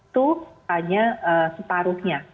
itu hanya separuhnya